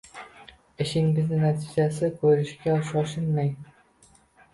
Ishingizning natijasini ko’rishga shoshilmang.